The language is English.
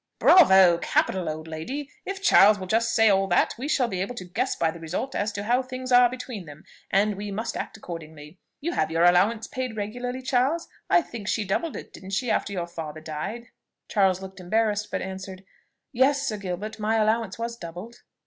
"Bravo! capital! old lady; if Charles will just say all that, we shall be able to guess by the result as to how things are between them, and we must act accordingly. You have your allowance paid regularly, Charles? I think she doubled it, did'nt she, after your father died?" Charles looked embarrassed, but answered "Yes, Sir Gilbert, my allowance was doubled."